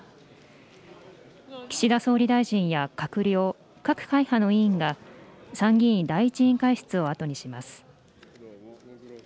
岸田総理大臣や閣僚、各会派の委員が参議院第１委員会室を後にします。